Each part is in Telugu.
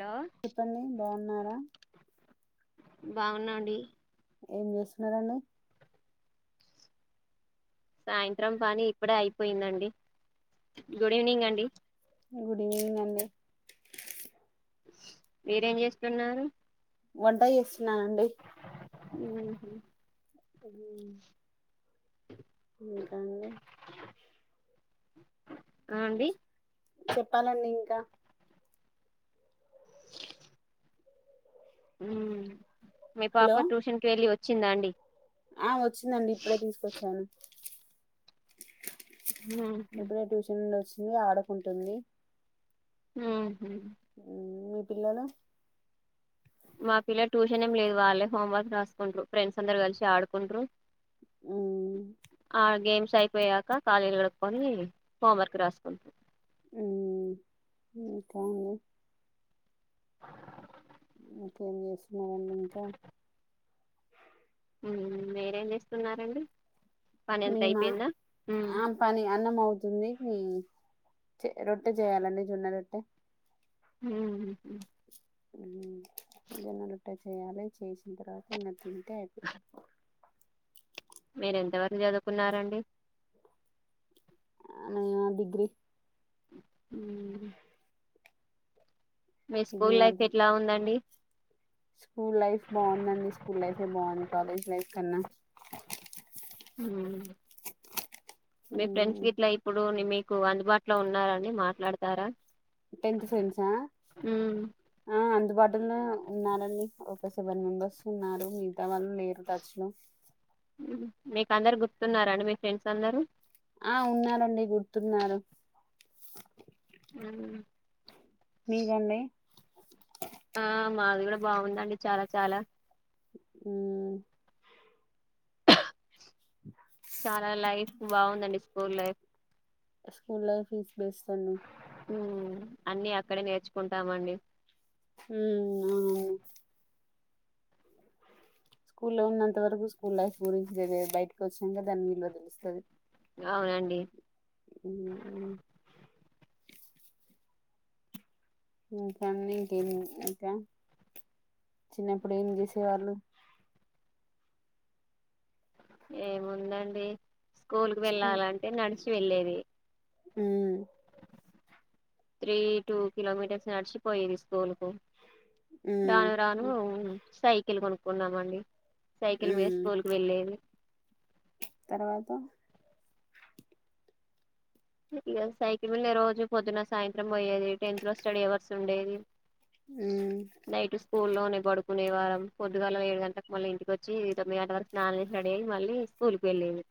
హలో చెప్పండి బాగున్నారా? బాగున్న అండి ఏం చేస్తున్నరండి? సాయంత్రం పని ఇప్పుడే అయిపోయిందండి గుడ్ ఈవినింగ్ అండి గుడ్ ఈవినింగ్ అండి మీరేం జేస్తున్నారు? వంట జేస్తున్నా అండి ఉహు [inaudible] ఇంకా అండి ఆ అండి చెప్పాలండి ఇంకా ఉమ్ మీ పాప హలో ట్యూషన్కెళ్ళి వ చ్చిందా అండి ఆ వచ్చిందండి ఇప్పుడే తీసుకొచ్చాను [inaudible] ఊహు. ఇప్పుడే ట్యూషన్ నుండి ఒస్ ఇంగా ఆడకుంటుంది ఆహ ఉమ్ మీ పిల్లలు మా పిల్లలు ట్యూషన్ ఏం లేదు వాళ్ళే హోంవర్క్ రాసుకుంట్రు. ఫ్రెండ్స్ అందరూ కలిసి ఆడుకుంట్రు ఉమ్, ఆ గేమ్ స్ అయిపోయాక కలుజేతులు కడుక్కొని హోంవర్క్ రాసుకుంటరు ఉమ్ ఇంకా అండి [inaudible] ఎం జెస్తున్నారు అండి ఇంకా మీరేం జేస్తున్నారండి మీమా ఆ పని అన్నం అవుతుంది హ్మ్ చె రొట్టె చేయాలండి జొన్న రొట్టె హ్మ్ మ్మ్ జొన్న రొట్టె చేయాలి చేసిన తర్వాత న తింటే అయిపోతది మీరు ఎంతవరకు చదువుకున్నారండి అ నేనా డిగ్రి మ్మ్ మీ డిగ్రీ స్కూల్ లైఫ్ వరకు ఎట్లా ఉందండి స్కూల్ లైఫ్ బాగుందండి స్కూల్ లైఫె బాగుంది కాలేజ్ లైఫ్ కన్నా హ్మ్ మీ ఫ్రెండ్స్ గిట్లా ఇప్పుడు ని మి కు అందుబాటులో ఉన్నారని మాట్లాడతారా టెన్త్ ఫ్రెండ్సా మ్మ్. అ అన్ వడ్డున ఉన్నారండి ఒక సెవెన్ మెంబెర్స్ ఉన్నారు మిగతా వాళ్ళు లేరు టచ్ లో మీకు అందరు గుర్తున్నారండి మీ ఫ్రెండ్స్ అందరూ ఆ ఉన్నారండి గుర్తున్నారు మ్మ్ మీకండి ఆ మాది కూడా బాగుందండి చాలా చాలా మ్మ్ [inaudible] చాలా లైఫ్ బాగుందండి school life school life is best అండి మ్మ్ అన్ని అక్కడే నేర్చుకుంటామండి మ్మ్ మ్మ్ అవునా స్కూల్లో ఉన్నంత వరకు స్కూల్ లైఫ్ గురించి తెలీదు బయటకి వచ్చినంక దాని విలువ తెలుస్తది అవునండి ఇంకా అండి ఇంకేం ఇంకా చిన్నప్పుడు ఏం చేసేవాళ్ళు ఏముందండి స్కూల్ కు వెళ్ళాలంటే నడిచి వెళ్ళేది మ్మ్ త్రీ టూ కిలోమీటర్స్ నడిచిపోయేది స్కూల్ కు హ్మ్ రాను రాను సై కిల్లు కొనుక్కున్నామండి సైకిల్ మీద హ్మ్ స్కూల్కు వెళ్ళేది తర్వాత ఇగ సైకిల్ మింద రోజు పొద్దున సాయంత్రం పోయ్యేది టెన్త్ లో స్టడీ అవర్స్ ఉండేది మ్మ్ నైట్ స్కూల్లోనే పడుకునే వారం పొద్దుగల ఏడు గంటకి మళ్ళీ ఇంటిక వచ్చి తొమ్మిది గంట వరకు స్నానం చేసి రెడి అయి మళ్ళీ స్కూల్కి వెళ్ళేది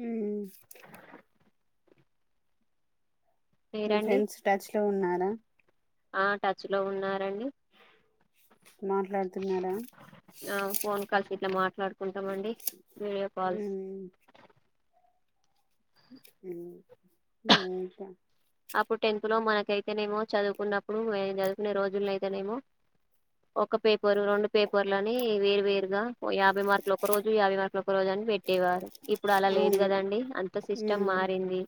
ఉమ్ మీ మీరండి ఫ్రెండ్స్ టచ్ లో ఉన్నారా ఆ టచ్ లో ఉన్నారండి మాట్లాడుతున్నారా ఆ ఫోన్ కాల్స్ ఇట్లా మాట్లాడు కుంటమండి వీడియో కాల్స్ హ్మ్ ఉమ్ ఇంకా అప్పుడు టెన్త్ లో మనకైతేనేమో చదువుకున్నప్పుడుమేం చదువుకునే రోజుల్లో అయితేనేమో ఒక పేప రెండు పేపర్లని వేరు వేరుగా యాభై మార్కులు ఒక రోజు యాభై మార్కులు ఒక రోజు అని పెట్టేవారు ఇప్పుడు అలా లేదు అవును కదండి అంత సిస్టమ్ హ్మ్ మారింది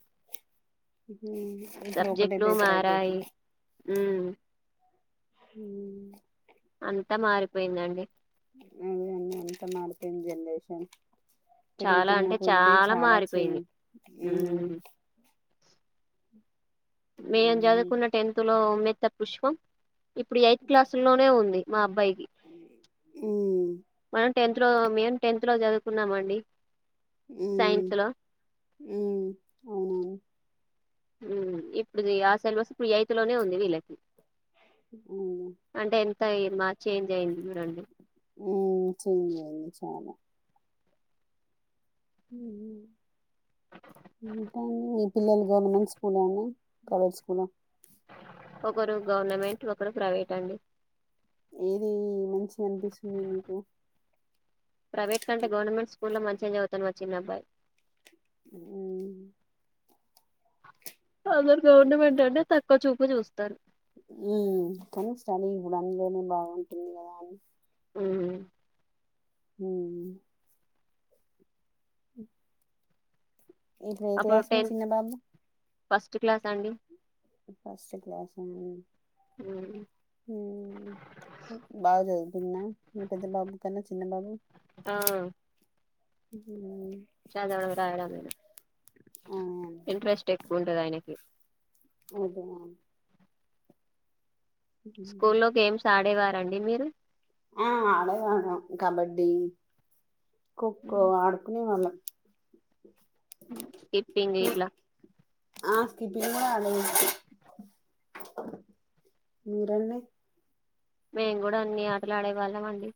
ఇప్పుడు ఒకటే సబ్జెక్టులు పేపర్ అయిపోయింది మారాయి ఉమ్ ఉమ్ అంతా మారిపోయిందండి అదే అండి అంత మారిపోయింది జెనరేషన్ చాలా పెరుగుతున్న అంటే కొద్దీ చాలా మారిపోయింది చేంజ్ మ్ ఉమ్ మేం చదువుకున్న టెన్త్ లో ఉమ్మెత్త పుష్పం ఇప్పుడు ఎయిత్ క్లాసు లోనే ఉంది మా అబ్బాయికి కీ హ్మ్ మ టెన్త్ లో మేము టెన్త్ లో చదువుకున్నామండి ఉమ్ సైన్స్ లో ఉమ్ అవునవును ఇప్పుడు ఆ సెలబస్ ఇప్పుడు ఎయితులోనే ఉంది వీళ్ళకి అవును టాయ్ మా చేంజ్ అయింది చూడండి ఉమ్ చేంజ్ అయ్యాయి చాలా ఉహూ ఇంకా అండీ మీ పిల్లలు గవర్నమెంట్ స్కూల్ అండి గవర్నమెంట్ స్కూల ఒకరు గవర్నమెంట్ ఒకరు ప్రైవేట్ అండి ఏది మంచిగా అనిపిస్తుంది మీకు ప్రైవేట్ కంటే గవర్మెం స్కూల్ల్లో మంచిగ చదువుతండు మ చిన్నబ్బాయి ఉమ్ అందరు గవర్నమెంట్ అంటే తక్కువ చూపు చూస్తారు ఉ కని స్టడీ ఇప్పుడు అందులోనే బాగుంటుంది కదా అండి ఉమ్ ఊ అ ఇప్పుడు ఏ అప్పుడు క్లాస్ మీ టెన్త్ చిన్న బాబు ఫస్ట్ క్లాస్ అండి ఫస్ట్ క్లాస్ ఏండి. మ్మ్. బాగా చదువుతున్నా మీ పెద్ద బాబు కన్నా చిన్న బాబు. ఆ ఉ చదవడం రాయడం మీద ఆ ఇంట్రెస్ట్ ఎక్కుఉంటది అయనకి అదే [inaudible] స్కూల్ లో గేమ్స్ ఆడేవార అండి మీరు ఆ.. ఆడేవారం కబడ్డ ఖోఖో ఆడుకునే వాళ్ళం స్కిప్పింగ్ ఇట్ల ఆ స్కిప్పింగ్ గూడా అడే వారమండీ. మీరండి మేము కూడా అన్ని ఆటలు ఆడేవాళ్ళం అండి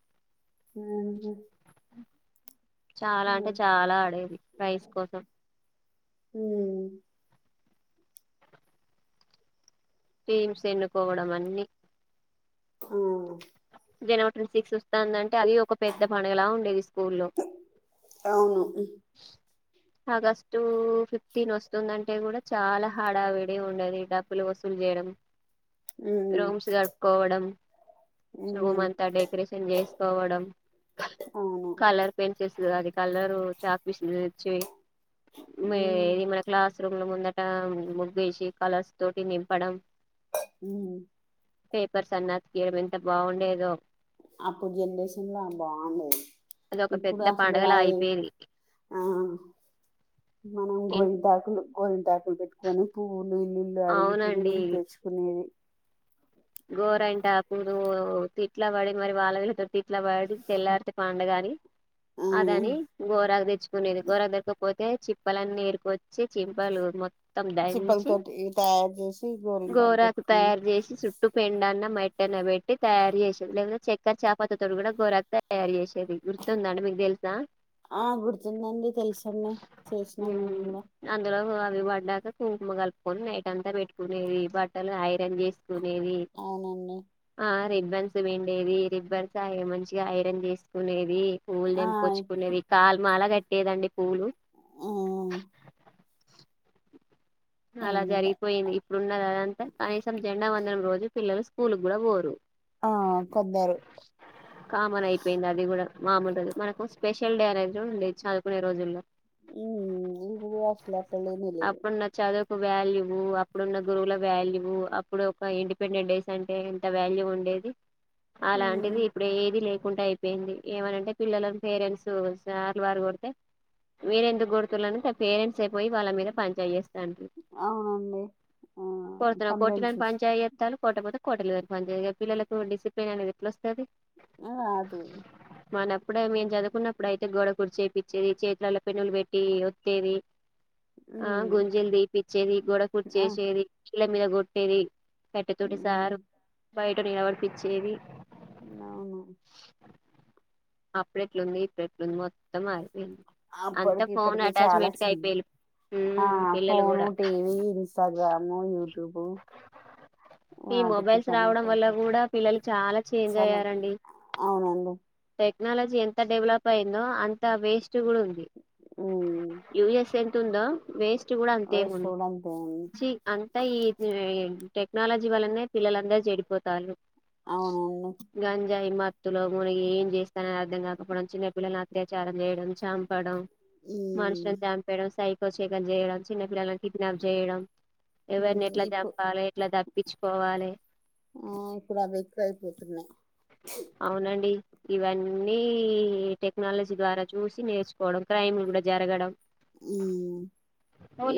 ఊ.. ఉ అ చాలా అంటే చాలా ఆడేది ప్రైస్ కోసం ఊ.. టీమ్స్ ఎన్నుకోవడం అన్ని ఆ జనవరి ట్వంటి సిక్స్ వస్తుందం అది ఒక పెద్ద పండుగలా ఉండేది స్కూల్లో ఆ అవును ఆగస్టు ఫిఫ్టీన్ వస్తుందంటే గూడా చాలా హాడావిడి ఉండేది డబ్బులు వసూలు జేయడం. హ్మ్ రూమ్స్ గడుక్కోవడం రూమ్ హ్మ్ అంతా డెకరేషన్ చేసుకోవడం అవును కలర్ పెన్సిల్ అది కలరు చాక్ పీసులు తెచ్చి హ్మ్ [unintelligible] ఇది మన క్లాస్ రూమ్ లా ముందట ముగ్గేసి కలర్స్ తోటి నింపడం ఊ పేపర్స్ అన్నీ అతికీయబీమ్ బావుండేదో అప్పుడు జనరేసన్ లో బావుండేది అదొక ఇప్పుడు పెద్ద అసలు పండగలా అది అయిపోయేది ఆ మనం గోరింటాకు గోరింటాకు పెట్టుకొని పువ్వులు ఇల్లిల్లు అడిగి తిరిగి అవునండి తెచ్చుకునేది గోరంటాకు రో.. తిట్లా బడి మరి వాళ్ళ వీళ్ళ తో తిట్ తిట్లా పడి తెల్లారితే పండగ అని ఆ అదని గోరాకు తెచ్చు కునేది గోర దొరకపోతే చిప్పలన్నీ ఎరుకొచ్చి చింపలు మొత్తం చిప్పల దంచి తోటి తయారు చేసి గోరింటాకు పెట్టుకుని ఎన్న మట్ అన పెట్టి తయారు చేసింది లేదా చక్కర చాయ్ పట్టి తోటి కూడా గోరకు తయారు చేసింది గుర్తుందండి మీకు తెలుసా ఆ గుర్తుందండి తెలుసండి చేసినాం మేము కూడా అందులో ఇ పడ్డాక కుంకుమ కలుపుకొని నైట్ అంతా పెట్టుకునేది బట్టలు ఐరన్ చేసి [unintelligible] అవునండి రిబ్బన్స్ విండేది రిబ్బర్స్ మంచిగా ఐరన్ చేసుకునేది పూలు ఆ తెంపుకోచుకునేది కాలీ మాల గ లేదండి పూవ్వులు ఆ అలా అవునండి జరిగిపోయింది ఇప్పుడున్నది అదంతా కనీసం జెండా వందలం రోజు పిల్లలు పూలకు కూడా పోరు ఆ కొందరు కామన్ అయిపోయింది అది కూడా మామూలుగా మనకు స్పెష చెల్డే [unintelligible] అనేండి చదువుకునే రోజుల్లో ఇప్పుడు అసలు తెలియనే లేదు అద ఒక వాల్యూవు అప్పుడున్న గురువుల వాల్యూ అప్పుడు ఒక ఇండిపెండెంట్ డేస్ అంటే ఇంత వాల్యూ ఉండేది అలాంటిది ఇప్పుడు ఏది లేదు కుంటే అయిపోయింది ఏమంటే పిల్లల పేరెంట్స్ సార్లు వారు కొడితే మీరెందుకు కొడుతున్నారుంటే పేరెంట్స్ అయిపోయి వాళ్ళ మీద పని చేేస్తారు అవునండి ఆ కంలెన్సస్ కోటపోతే కోటలుని పని చేయ పిల్లలకు డిసిప్లిన్ అనేది ఎట్లా వస్తుంది ఆ అద మనప్పుడే మేము చదువుకున్నప్పుడు అయితే గోడ కూడి చేయిచ్చేది చేతుల్లో పెన్నులు పెట్టి వత్ది ఆ ఉమ్, గుంజ జల్ దీపిచ్చేది గోడ ఆ కుర్చేసేది ఇల మీద గట్టేది కట్టటి తటి ఉమ్, సారు బయ పట్ట నిలవర్పించేది అవును ఆ పలేట్లు ఈ ప్లేట్లు మొత్తమారి అంతా అప్పటికి ఫోన్ ఇప్పటికి అటాచ్మెంట్ క అయిపోయిలే ఫోన్ టీవ ఇంస్టాగ్రామ్ ఈ వాటికి మొబైల్స్ రావడం కనెక్ట్ వల్ల అయిపోయి కూడా పిల్లలు చాలా చేంజ్ చాలా అయ్యారండి అవునండి టెక్నాలజీ ఎంత డెవలప్ అయిందో అంత వేస్ట్ ఉమ్, ఉ ఎస్ఎ ఉందా వేస్ట్ కూడా అంతే వయసు కూడా అంతే అండి ఉంది అంతా ఈ టెక్నాలజీ వలనే పిల్లలందరు చెడిపోతారు అవునండి గంజాయి మాత లోన ఏం చేస్త అర్థం కాకపోవడం చిన్నపిల్లలను అత్యాచారం చేయడం చంపడం మనుషులను ఉమ్, చంపేయడం సై ఎ సకం చేయడం చిన్నపిల్లలను కిడ్నాప్ చేయడం ఎవరిని ఎట్టా ఇప్పు ఆ ఇప్పుడు అవి ఎక్కువ అయిపోతున్నాయి అవునండి ఇవన్నీ టెక్నాలజీ ద్వారా చూసి నేర్చుకోవడం క్రైమ్ కూడా జరగడం ఉమ్.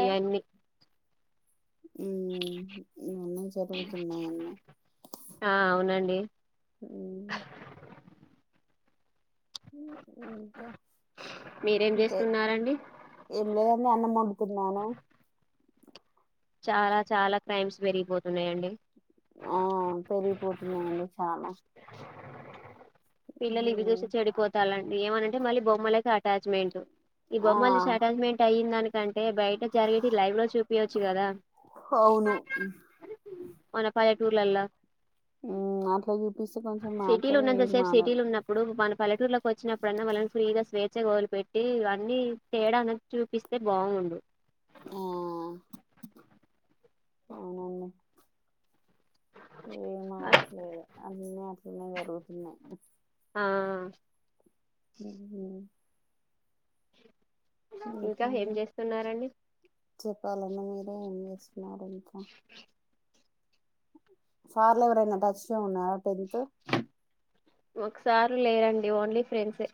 ఏ అన్నన్ని అ జరుగుతున్నాయన్నీ ఆ అవునండి ఉమ్, [unintelligible] అంత మీరేం ఇంకా చేస్తున్నారండి ఏం లేదని అన్నమను తిన్నాను చాలా చాలా క్రైమ్స్ పెరిగిపోతున్నాయంండి ఆ పెరిగిపోతున్నాయండి చాలా పిల్లలు ఇవి ఉమ్, చూసి చెడిపోతాలంటడి ఏమనంటే మళ్ళీ బొమ్మలకి అటాచ్మెంట్ ఈ ఆ బొమ్మలు చూ అటాచ్మెంట్ అయిిందానికంటే బయట జరిగితే లైవ్ లో చూపియవచ్చు అవును మన పల్లెటూర్లలో ఉమ్ అట్లా కొంచెం సిటీలో మారుతది ఉన్నందా ఏం సేపు మారదు సిటీలు ఉన్నప్పుడు మన పల్లటూరులోకి వచ్చినప్పుడన్నా మళ్ళని ఫ్రీగా స్వేచ్ఛ గోలు పెట్టి అన్నీ తేడా అన్నది చూపిస్తే బాగుండు ఆ అవునన్నడి ఏ మరట్లేదు చిన్న గరుగుతున్న ఆ అ ఇంకా ఏం చేస్తున్నారండి చెప్పాలన్నా మీరే ఏం చే [unintelligible] ఫార్ల ఉర ఎన్న టడచ్ ఉ పెదితో సారు లేరండి ఓన్లీ ఫ్రెండ్సే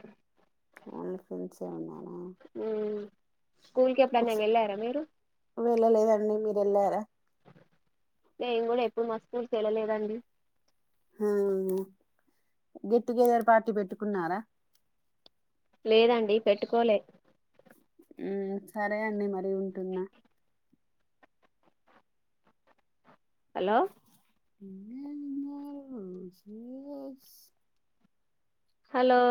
ఓన్లీ ఫ్రెండ్స్ ఆ ఉన్నారా స్కూల్ కి ఎప్పుడ ఒకసారి నను వెళ్ళారా మీరు వెళ్ళలేదండి మీరు వెళ్ళారా నేన్ కూడా ఎ ఇప్పుడు మా స్కూర్కి వెళ్ళలేదండి ఆ గెట్ టుగెదర్ పార్టీ పెట్టుకున్నారా లేదండి పెట్టుకోలే సరే అండి మరీ ఉంటుంనా హలో [inaudible] హలో